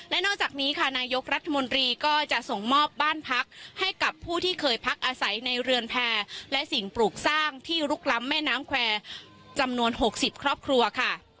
และนอกจากนี้ค่ะนายกรัฐมนตรีก็จะส่งมอบบ้านพักให้กับผู้ที่เคยพักอาศัยในเรือนแพร่และสิ่งปลูกสร้างที่ลุกล้ำแม่น้ำแควร์จำนวน๖๐ครอบครัวค่ะ